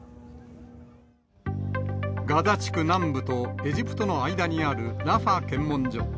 ガザ地区南部とエジプトの間にあるラファ検問所。